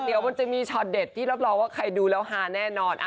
เดี๋ยวมันจะมีช็อตเด็ดที่รับรองว่าใครดูแล้วฮาแน่นอน